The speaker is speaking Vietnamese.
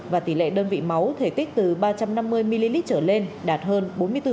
và tỷ lệ đơn vị máu thể tích từ ba trăm năm mươi ml trở lên đạt hơn bốn mươi bốn